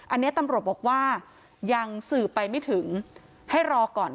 อันนี้ตำรวจบอกว่ายังสืบไปไม่ถึงให้รอก่อน